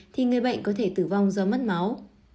thì người bệnh có thể tử vong do mất máu